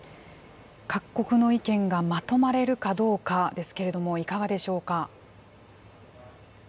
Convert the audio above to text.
各国の意見がまとまれるかどうかですけれども、いかがでしょ